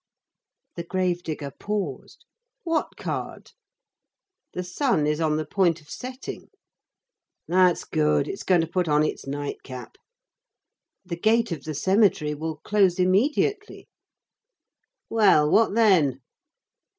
The grave digger paused. "What card?" "The sun is on the point of setting." "That's good, it is going to put on its nightcap." "The gate of the cemetery will close immediately." "Well, what then?"